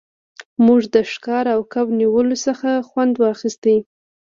موږ د ښکار او کب نیولو څخه خوند واخیست